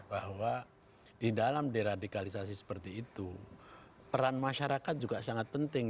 bahwa di dalam deradikalisasi seperti itu peran masyarakat juga sangat penting